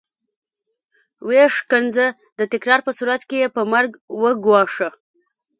ويې ښکنځه د تکرار په صورت کې يې په مرګ وګواښه.